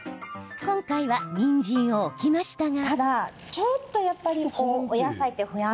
今回はにんじんを置きましたが。